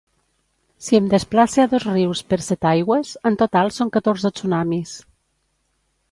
Si em desplace a Dosrius per Setaigües, en total són catorze tsunamis.